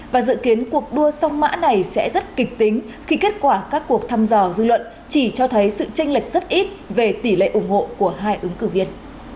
và dự kiến cuộc đua song mã này sẽ rất kịch tính khi kết quả các cuộc thăm dò dư luận chỉ cho thấy sự tranh lệch rất ít về tỷ lệ ủng hộ của hai ứng cử viên